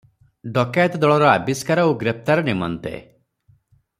ଡକାଏତ ଦଳର ଆବିଷ୍କାର ଓ ଗ୍ରେପ୍ତାର ନିମନ୍ତେ ।